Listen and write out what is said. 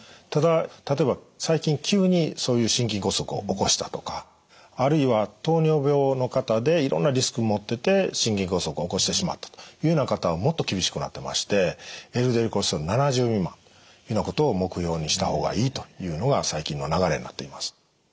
ただ例えば最近急にそういう心筋梗塞を起こしたとかあるいは糖尿病の方でいろんなリスク持ってて心筋梗塞を起こしてしまったというような方はもっと厳しくなってましてＬＤＬコレステロール７０未満というようなことを目標にした方がいいというのが最近の流れになっています。